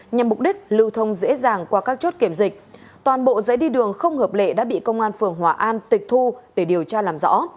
nhằm mục đích lưu thông dễ dàng qua các chốt kiểm dịch toàn bộ giấy đi đường không hợp lệ đã bị công an phường hòa an tịch thu để điều tra làm rõ